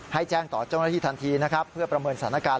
แจ้งต่อเจ้าหน้าที่ทันทีนะครับเพื่อประเมินสถานการณ์